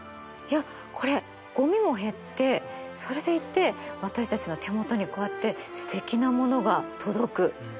いやこれごみも減ってそれでいて私たちの手元にこうやってすてきなものが届く。